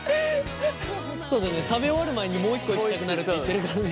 そうだね食べ終わる前にもう一個いきたくなるって言ってるから。